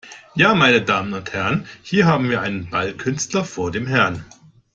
Ja meine Damen und Herren, hier haben wir einen Ballkünstler vor dem Herrn!